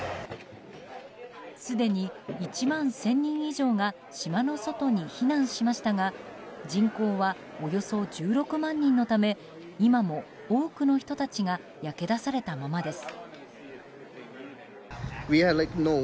すでに１万１０００人以上が島の外に避難しましたが人口はおよそ１６万人のため今も多くの人たちが焼け出されたままです。